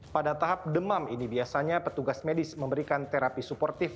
pada tahap demam ini biasanya petugas medis memberikan terapi suportif